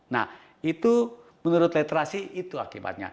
nah itu menurut literasi itu akibatnya